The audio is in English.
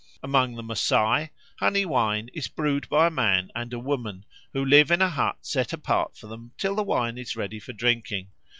Among the Masai honey wine is brewed by a man and a woman who live in a hut set apart for them till the wine is ready for drinking.